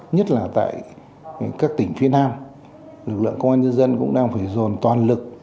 nhất là tại các tỉnh phía nam lực lượng công an nhân dân cũng đang phải dồn toàn lực